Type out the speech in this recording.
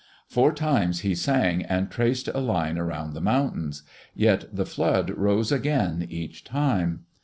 Four times he sang and traced a line around the mountain, yet the flood rose again each time.